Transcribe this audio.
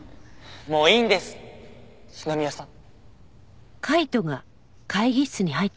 もういいんです篠宮さん。